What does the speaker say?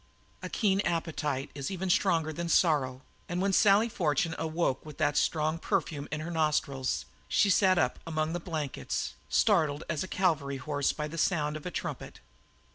A keen appetite is even stronger than sorrow, and when Sally Fortune awoke with that strong perfume in her nostrils, she sat straight up among the blankets, startled as the cavalry horse by the sound of the trumpet.